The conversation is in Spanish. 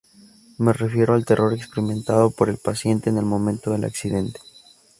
Me refiero al terror experimentado por el paciente en el momento del accidente.